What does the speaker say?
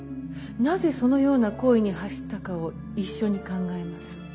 なぜそのような行為に走ったかを一緒に考えます。